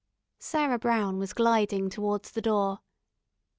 Sarah Brown was gliding towards the door.